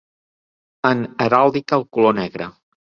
En heràldica, el color negre.